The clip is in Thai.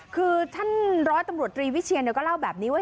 คือท่านร้อยตำรวจรีวิเชียนก็เล่าแบบนี้ว่า